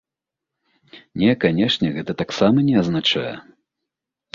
Не, канечне, гэта таксама не азначае.